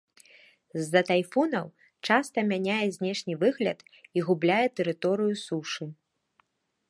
З-за тайфунаў часта мяняе знешні выгляд і губляе тэрыторыю сушы.